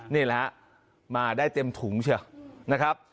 นี่แหละมาได้เต็มถุงเชียวนะครับ